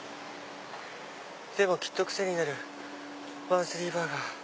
「でもきっとクセになるマンスリーバーガー」。